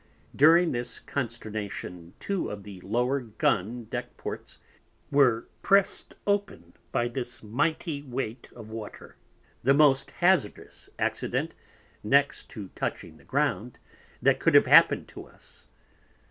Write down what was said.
During this Consternation two of the Lower Gun Deck Ports were pressed open by this mighty weight of Water, the most hazardous Accident, next to touching the Ground, that could have happened to us.